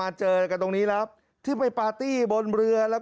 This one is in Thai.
ก็เชิญทางที่เขาขอบมาเกิดเวลา